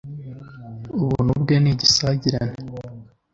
ubuntu bwe ni igisagirane